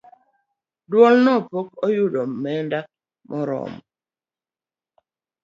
Duolno pok oyudo omenda maromo